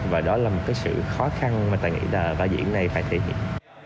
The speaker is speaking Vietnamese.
và đó là một cái sự khó khăn mà tài nghĩ là vai diễn này phải thể hiện